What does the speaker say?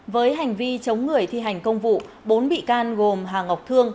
với hành vi chống người thi hành công vụ bốn bị can gồm hà ngọc thương